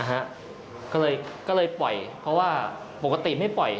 ก็เลยปล่อยเพราะว่าปกติไม่ปล่อย